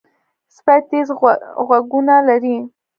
سپي تیز غوږونه لري.